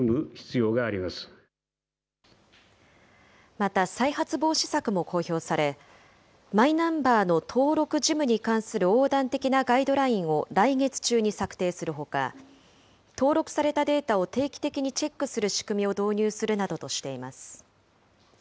また、再発防止策も公表され、マイナンバーの登録事務に関する横断的なガイドラインを来月中に策定するほか、登録されたデータを定期的にチェックする仕組みを導入するなどとしています。